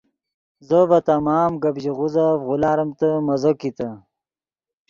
زو ڤے تمام گپ ژیغوزف غولاریمتے مزو کیتے